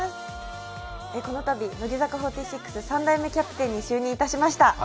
このたび乃木坂４６３代目キャプテンに就任しました。